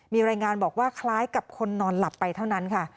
มีรายงานบอกว่าคล้ายกับคนนอนหลับไปเท่านั้นค่ะ